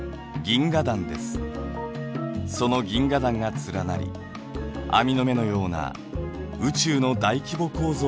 その銀河団が連なり網の目のような宇宙の大規模構造を作っています。